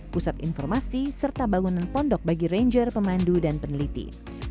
pusat informasi serta bangunan pondok bagi ranger pemandu dan peneliti